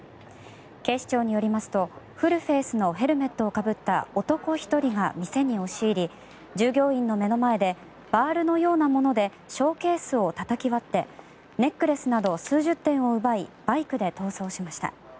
警視庁によりますとフルフェースのヘルメットをかぶった男１人が店に押し入り従業員の目の前でバールのようなものでショーケースをたたき割ってネックレスなど数十点を奪いバイクで逃走しました。